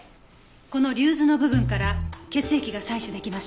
この竜頭の部分から血液が採取できました。